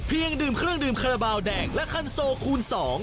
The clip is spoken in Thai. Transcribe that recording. เพียงดื่มเครื่องดื่มคระบาลแดงและคันโซคูณสอง